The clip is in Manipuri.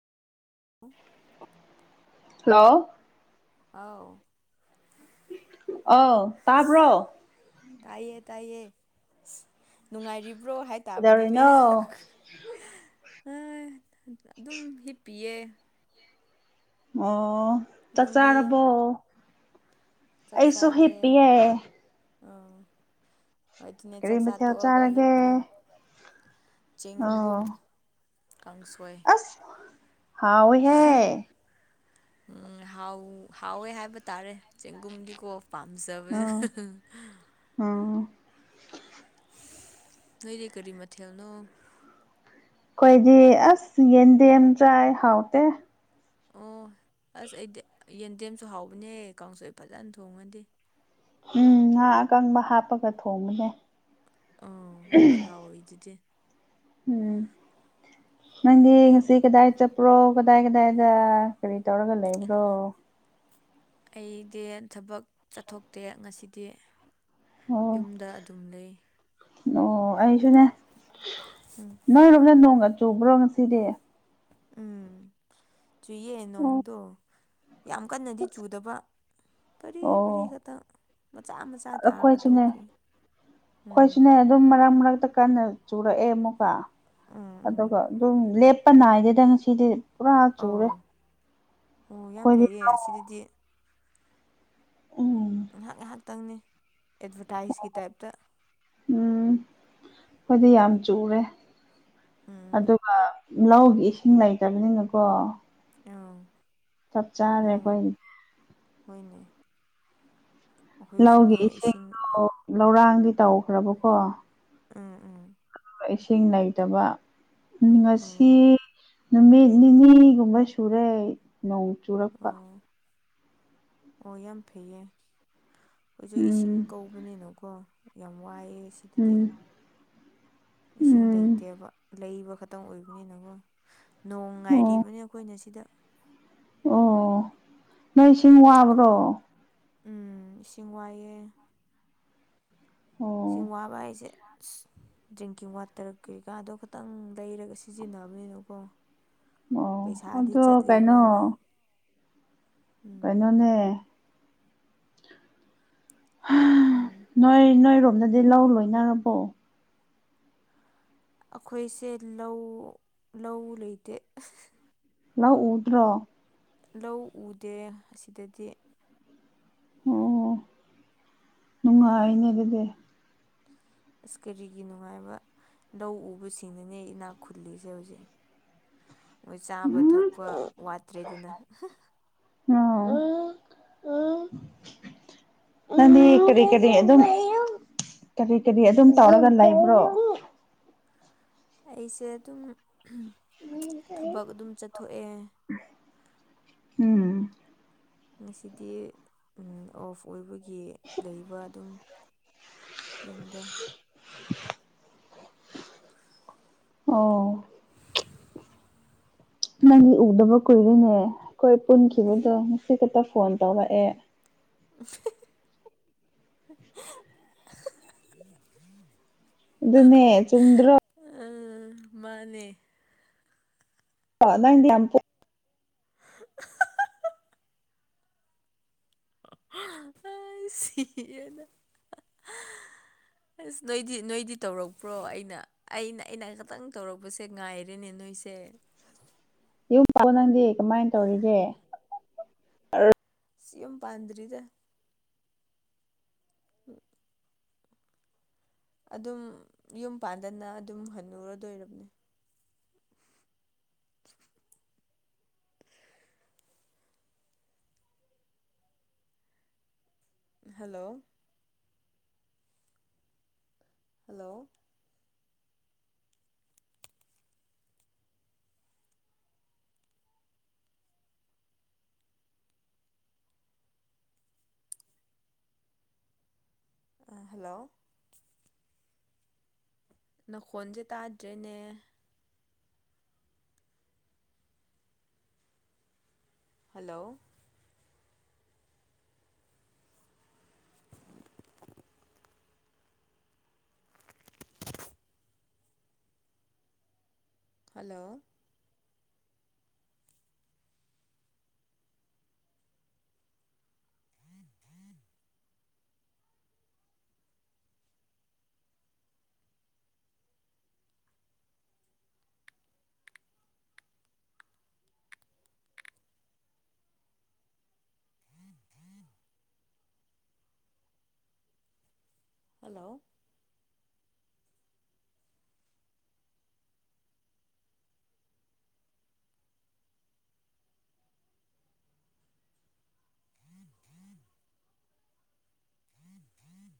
ꯎ ꯍꯜꯂꯣ ꯑꯥꯎ ꯑ ꯇꯥꯄ꯭ꯔꯣ ꯇꯥꯏꯌꯦ ꯇꯥꯏꯌꯦ ꯑꯁ ꯅꯨꯡꯉꯥꯏꯔꯤꯕ꯭ꯔꯣ ꯍꯥꯏ ꯇꯥꯕꯅꯤꯅꯦ ꯀꯩꯗꯧꯔꯤꯅꯣ ꯑꯗꯨꯝ ꯍꯤꯞꯄꯤꯌꯦ ꯑꯣ ꯆꯥꯛ ꯅꯪꯗꯤ ꯆꯥꯔꯕꯣ ꯑꯩꯁꯨ ꯆꯥꯛꯆꯥꯥꯔꯦ ꯍꯤꯞꯄꯤꯌꯦ ꯑꯥ ꯑꯗꯨꯣꯏ ꯑꯗꯨꯅꯦ ꯀꯔꯤ ꯆꯥꯛꯆꯥꯥ ꯃꯊꯦꯜ ꯇꯣꯛꯑꯒ ꯆꯥꯔꯒꯦ ꯍꯤꯞꯄꯤꯌꯨ ꯑꯣ ꯆꯦꯡꯒꯨꯝ ꯀꯥꯡꯁꯣꯏ ꯍꯥꯎꯍꯦ ꯍꯥꯎꯋꯦ ꯍꯥꯏꯕ ꯇꯥꯔꯦ ꯆꯦꯡꯒꯨꯝꯗꯤꯀꯣ ꯄꯥꯝꯖꯕ ꯎꯝ ꯎꯝ ꯅꯣꯏꯔꯦ ꯀꯔꯤ ꯃ ꯊꯦꯦꯜꯅꯣ ꯑꯩꯈꯣꯏꯗꯤ ꯑꯁ ꯌꯦꯟꯗꯦꯝ ꯆ꯭ꯔꯥꯏ ꯍꯥꯎꯇꯦ ꯑꯣ ꯑꯁ ꯑꯩꯗꯤ ꯌꯦꯟꯗꯦꯝꯁꯨ ꯍꯥꯎꯕꯅꯦ ꯀꯥꯡꯁꯨ ꯑꯩ ꯐꯖꯅ ꯊꯣꯡꯉꯗꯤ ꯎꯝ ꯉꯥ ꯑꯀꯪꯕ ꯍꯥꯞꯄꯒ ꯊꯣꯡꯕꯅꯦ ꯑ ꯑꯁꯥꯎꯗꯨꯗꯤ ꯎꯝ ꯅꯗꯤ ꯉꯁꯤ ꯀꯗꯥꯏ ꯆꯄ꯭ꯔꯣ ꯀꯗꯥꯏ ꯀꯗꯥꯏꯗ ꯀꯔꯤ ꯇꯧꯔꯒ ꯂꯩꯕ꯭ꯔꯣ ꯑꯩꯗꯤ ꯊꯕꯛ ꯆꯠꯊꯣꯛꯇꯦ ꯉꯁꯤꯗꯤ ꯑꯣ ꯌꯨꯝꯗ ꯑꯗꯨꯝ ꯂꯩ ꯑꯣ ꯑꯩꯁꯨꯅꯦ ꯎꯝ ꯅꯣꯏꯔꯣꯕꯅ ꯅꯣꯡꯒ ꯆꯨꯕ꯭ꯔꯣ ꯉꯁꯤꯗꯤ ꯎꯝ ꯆꯨꯏꯌꯦ ꯑꯣ ꯅꯣꯡꯗꯣ ꯌꯥꯝ ꯀꯟꯅꯗꯤ ꯆꯨꯗꯕ ꯐꯔꯤ ꯐꯔꯤ ꯑꯣ ꯈꯛꯇꯪ ꯃꯆꯥ ꯃꯆꯥ ꯇꯥꯔꯒ ꯑꯩꯈꯣꯏꯁꯨꯅꯦ ꯇꯣꯛꯈꯤ ꯎꯝ ꯑꯩꯈꯣꯏꯁꯨꯅꯦ ꯑꯗꯨꯝ ꯃꯔꯛ ꯃꯔꯛꯇ ꯀꯟꯅ ꯆꯨꯔꯛꯑꯦ ꯑꯃꯨꯛꯀ ꯎꯝ ꯎꯝ ꯑꯗꯨꯒ ꯑꯗꯨꯝ ꯄꯅꯥꯏꯗꯦꯗ ꯉꯁꯤꯗꯤ ꯄꯨꯔꯥ ꯆꯨꯔꯦ ꯑꯧ ꯑꯣ ꯌꯥꯝ ꯑꯩꯈꯣꯏꯗꯤ ꯐꯩꯌꯦ ꯑꯁꯤꯗꯗꯤ ꯎꯝ ꯉꯥꯏꯍꯥꯛ ꯉꯥꯏꯍꯥꯛꯇꯪꯅꯤ ꯑꯦꯗꯚꯔꯇꯥꯏꯁꯀꯤ ꯇꯥꯏꯞꯇ ꯎꯝ ꯑꯩꯈꯣꯏꯗꯤ ꯌꯥꯝ ꯆꯨꯔꯦ ꯎꯝ ꯑꯗꯨꯒ ꯂꯧꯒꯤ ꯏꯁꯤꯡ ꯂꯩꯇꯕꯅꯤꯅꯀꯣ ꯑ ꯆꯞ ꯆꯥꯗꯦ ꯀꯣꯏ ꯍꯣꯏꯅꯦ ꯂꯧꯒꯤ ꯑꯩꯈꯣꯏꯁꯨꯅꯦ ꯏꯁꯤꯡ ꯏꯁꯤꯡꯗꯣ ꯂꯧꯔꯥꯡꯗꯤ ꯇꯧꯈ꯭ꯔꯕꯀꯣ ꯎꯝ ꯎꯝ ꯏꯁꯤꯡ ꯂꯩꯇꯕ ꯑꯣ ꯉꯁꯤ ꯅꯨꯃꯤꯠ ꯅꯤꯅꯤꯒꯨꯝꯕ ꯁꯨꯔꯦ ꯅꯣꯡ ꯆꯨꯔꯛꯄ ꯑꯣ ꯑꯣ ꯌꯥꯝ ꯐꯩꯌꯦ ꯍꯧꯏꯁꯨ ꯎꯝ ꯏꯁꯤꯡ ꯀꯧꯕꯅꯤꯅꯀꯣ ꯌꯥꯝ ꯋꯥꯏꯑꯦꯁꯤꯡ ꯏꯦ ꯎꯝ [inaudible] ꯏꯁꯤꯡ ꯎꯝ ꯂꯩꯇꯦꯕ ꯂꯩꯕ ꯈꯛꯇꯪ ꯑꯣꯏꯕꯅꯤꯅꯀꯣ ꯅꯣꯡ ꯑꯣ ꯉꯥꯏꯔꯤꯕꯅꯤ ꯑꯩꯈꯣꯏꯅ ꯁꯤꯗ ꯑꯣ ꯅꯣꯏ ꯏꯁꯤꯡ ꯋꯥꯕ꯭ꯔꯣ ꯎꯝ ꯏꯁꯤꯡ ꯋꯥꯏꯑꯦ ꯁꯤꯡ ꯑꯣ ꯋꯥꯕ ꯍꯥꯏꯁꯦ ꯑꯁ ꯗ꯭ꯔꯤꯡꯀꯤꯡ ꯋꯥꯇꯔ ꯀꯩꯀꯥꯗꯣ ꯇꯪ ꯂꯩꯔꯒ ꯁꯤꯖꯤꯟꯅꯕꯃꯤꯅꯀꯣ ꯑꯣ ꯄꯩꯁꯥꯗꯤ ꯑꯗꯣ ꯆꯠꯂꯤꯕꯅꯤꯅ ꯎꯝ ꯀꯥꯏꯅꯣꯅꯦ ꯎꯝ ꯅꯣꯏ ꯅꯣꯏꯔꯣꯝꯗꯗꯤ ꯂꯧ ꯂꯣꯏꯅꯔꯕꯣ ꯑꯩꯈꯣꯏꯁꯦ ꯂꯧ ꯂꯧ ꯂꯩꯇꯦ ꯂꯧ ꯎꯗ꯭ꯔꯣ ꯂꯧ ꯎꯗꯦ ꯑꯁꯤꯗꯗꯤ ꯑꯣ ꯅꯨꯡꯉꯥꯏꯅꯦ ꯑꯗꯨꯗꯤ ꯑꯁ ꯀꯔꯤꯒꯤ ꯅꯨꯡꯉꯥꯏꯕ ꯂꯧ ꯎꯕꯁꯤꯡꯅꯅꯦ ꯑꯩ ꯏꯅꯥꯛ ꯈꯨꯜꯂꯤꯁꯦ ꯍꯧꯖꯤꯛ ꯃꯣꯏ ꯆꯥꯕ ꯊꯛꯄ ꯋꯥꯠꯇ꯭ꯔꯦ ꯑꯗꯨꯅ ꯑꯣ ꯅꯪꯗꯤ ꯀꯔꯤ ꯀꯔꯤ ꯑꯗꯨ ꯑꯗꯨꯝ ꯀꯔꯤ ꯀꯔꯤ ꯑꯗꯨꯝ ꯇꯧꯔꯒ ꯂꯩꯕ꯭ꯔꯣ ꯑꯩꯁꯦ ꯑꯗꯨꯝ ꯊꯕꯛ ꯑꯗꯨꯝ ꯆꯠꯊꯣꯛꯑꯦ ꯎꯝ ꯉꯁꯤꯗꯤ ꯑꯣꯐ ꯑꯣꯏꯕꯒꯤ ꯂꯩꯕ ꯑꯗꯨꯝ ꯌꯨꯝꯗ [unintelligible] ꯑꯣ ꯅꯪꯒꯤ ꯎꯗꯕ ꯀꯨꯏꯔꯤꯅꯦ ꯑꯩꯈꯣꯏ ꯄꯨꯟꯈꯤꯕꯗꯣ ꯉꯁꯤ ꯈꯛꯇ ꯐꯣꯟ ꯇꯧꯔꯛꯑꯦ [unintelligible] ꯑꯗꯨꯅꯦ ꯆꯨꯝꯗ꯭ꯔꯣ ꯑ ꯃꯥꯅꯦ ꯑ ꯑꯥꯏꯗꯤ ꯌꯥꯝ ꯍ [unintelligible] ꯑ ꯁꯤꯌꯦꯗ ꯑꯁ ꯅꯣꯏꯗꯤ ꯅꯣꯏꯗꯤ ꯇꯧꯔꯛꯄ꯭ꯔꯣ ꯑꯩꯅ ꯑꯩꯅ ꯑꯩꯅ ꯈꯛꯇꯪ ꯇꯧꯔꯛꯄꯁꯦ ꯉꯥꯏꯔꯦ ꯅꯣꯏꯁꯦ ꯌꯨꯝ ꯄꯥ ꯅꯪꯗꯤ ꯀꯃꯥꯏꯅ ꯇꯧꯔꯤꯒꯦ ꯁ ꯌꯨꯝ ꯄꯥꯟꯗꯔꯤꯗ [inaudible] ꯑꯗꯨꯝ ꯌꯨꯝ ꯄꯥꯟꯗꯅ ꯑꯗꯨꯝ ꯍꯟꯅꯨꯔꯗꯣꯏꯔꯕꯅꯦ꯫ [unintelligible] ꯍꯜꯂꯣ ꯍꯜꯂꯣ ꯑ ꯍꯜꯂꯣ ꯅꯈꯣꯟꯁꯦ ꯇꯥꯗ꯭ꯔꯦꯅꯦ꯫ Hello [inaudible] hello hello [inaudible]